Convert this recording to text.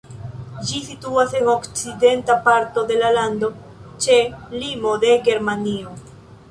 Ĝi situas en okcidenta parto de la lando ĉe limo de Germanio.